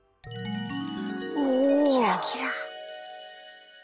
キラキラ。